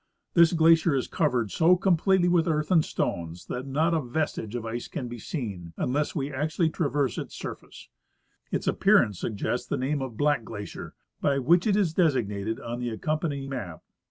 This glacier is covered so completely with earth and stones that not a vestige of the ice can be seen unless we actually traverse its surface. Its appearance suggests the name of Black glacier, by which it is designated on the accompanying map.